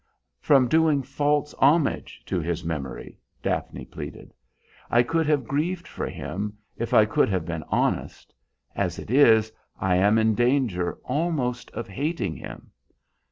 "From doing false homage to his memory," Daphne pleaded. "I could have grieved for him, if I could have been honest; as it is, I am in danger almost of hating him.